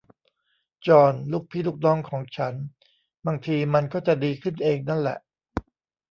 จอห์น ลูกพี่ลูกน้องของฉัน บางที มันก็จะดีขึ้นเองนั้นแหละ